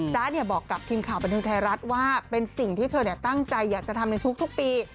จ๊ะบอกกับทีมข่าวบันเทิงไทยรัฐว่าเป็นสิ่งที่เธอตั้งใจอยากจะทำในทุกปี